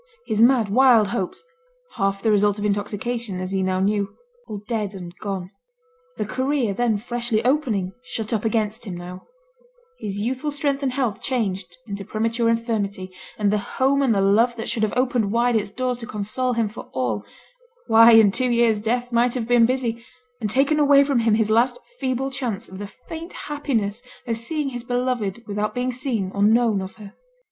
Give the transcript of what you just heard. His mad, wild hopes half the result of intoxication, as he now knew all dead and gone; the career then freshly opening shut up against him now; his youthful strength and health changed into premature infirmity, and the home and the love that should have opened wide its doors to console him for all, why in two years Death might have been busy, and taken away from him his last feeble chance of the faint happiness of seeing his beloved without being seen or known of her.